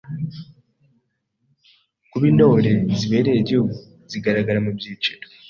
kuba Intore zibereye Igihugu zigaragara mu byiciro